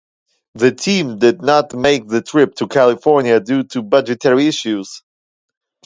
The team did not make the trip to California due to budgetary issues.